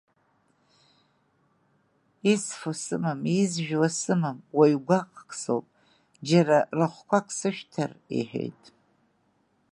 Исфо сымам, изжәуа сымам, уаҩ гәаҟк соуп, џьара рахәқәак сышәҭар, — иҳәеит.